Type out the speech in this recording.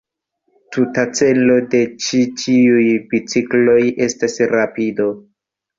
Tuta celo de ĉi tiuj bicikloj estas rapido.